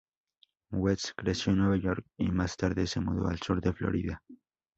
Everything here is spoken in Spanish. West creció en Nueva York, y más tarde se mudó al Sur de Florida.